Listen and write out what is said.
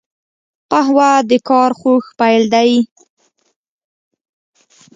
قهوه د کار خوږ پیل دی